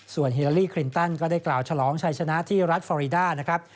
ฮิลาลีคลินตันก็ได้กล่าวฉลองชัยชนะที่รัฐฟอรีดานะครับ